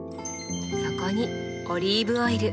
そこにオリーブオイル。